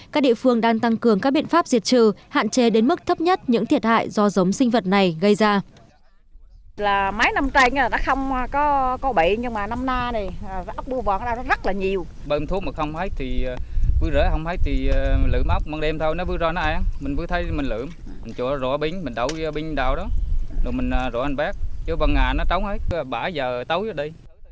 các địa phương đang tăng cường các biện pháp diệt trừ hạn chế đến mức thấp nhất những thiệt hại do giống sinh vật này gây ra